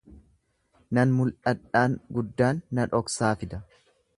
Nan mul'adhaan guddaan na dhoksaa fida.